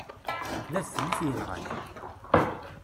D adfel i t-yenɣan.